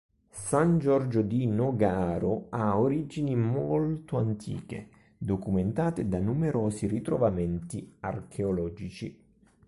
San Giorgio di Nogaro ha origini molto antiche documentate da numerosi ritrovamenti archeologici.